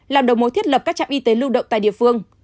làm đầu mối thiết lập các trạm y tế lưu động tại địa phương